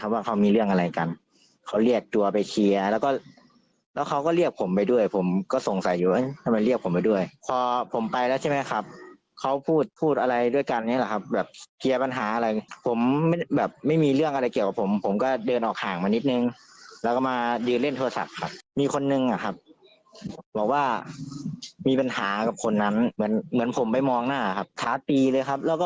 ว่าเขามีเรื่องอะไรกันเขาเรียกตัวไปเคลียร์แล้วก็แล้วเขาก็เรียกผมไปด้วยผมก็สงสัยอยู่ทำไมเรียกผมไปด้วยพอผมไปแล้วใช่ไหมครับเขาพูดพูดอะไรด้วยกันนี่แหละครับแบบเคลียร์ปัญหาอะไรผมไม่แบบไม่มีเรื่องอะไรเกี่ยวกับผมผมก็เดินออกห่างมานิดนึงแล้วก็มายืนเล่นโทรศัพท์ครับมีคนนึงอ่ะครับบอกว่ามีปัญหากับคนนั้นเหมือนเหมือนผมไปมองหน้าครับท้าตีเลยครับแล้วก็